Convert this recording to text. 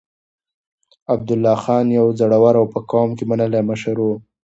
عبدالله خان يو زړور او په قوم کې منلی مشر و.